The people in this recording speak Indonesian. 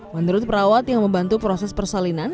menurut perawat yang membantu proses persalinan